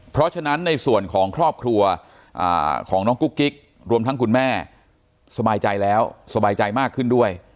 เพราะฉะนั้นในส่วนของครอบครัวของน้องกุ๊กกิ๊กรวมทั้งคุณแม่สบายใจแล้วสบายใจมากขึ้นด้วย